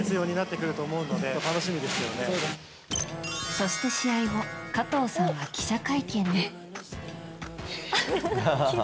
そして試合後加藤さんは記者会見に。